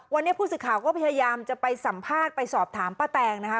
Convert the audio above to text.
วันนี้ผู้สื่อข่าวก็พยายามจะไปสัมภาษณ์ไปสอบถามป้าแตงนะคะ